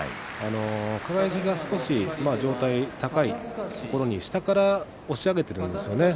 輝が少し、上体が高いところに下から押し上げているんですよね。